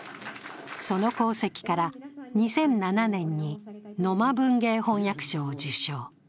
その功績から、２００７年に野間文芸翻訳賞を受賞。